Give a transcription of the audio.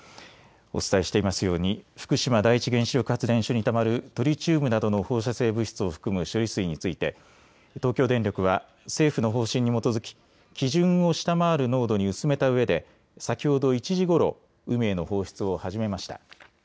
お伝えしていますように福島第一原子力発電所にたまるトリチウムなどの放射性物質を含む処理水について東京電力は政府の方針に基づき基準を下回る濃度に薄めたうえで先ほど１時ごろ海への放出を始めました。